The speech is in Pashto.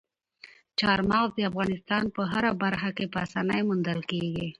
چار مغز د افغانستان په هره برخه کې په اسانۍ موندل کېږي.